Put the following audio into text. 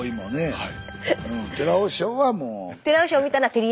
はい！